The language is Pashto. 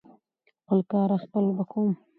خپل کاره خپل به کوم .